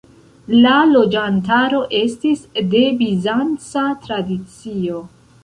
La loĝantaro estis de bizanca tradicio.